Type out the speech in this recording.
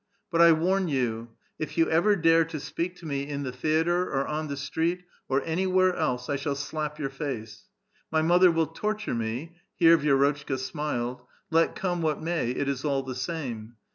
But 1 warn you, if you ever dare to speak to me in the theatre, or on the street, or any where else, 1 shall slap your face. My mother will torture me " (here Vi^rotchka smiled) *' let come what may, it is all the same.